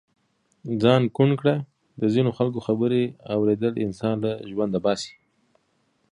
ځان ڪوڼ ڪړه د ځينو خلڪو خبرې اوریدل انسان له ژونده باسي.